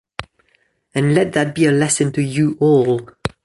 And let that be a lesson to you all.